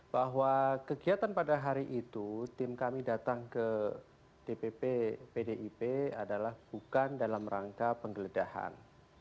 bahwa kegiatan pada hari itu tim kami datang ke dpp pdip adalah bukan dalam rangka penggeledahan